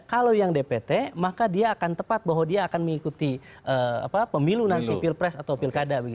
kalau yang dpt maka dia akan tepat bahwa dia akan mengikuti pemilu nanti pilpres atau pilkada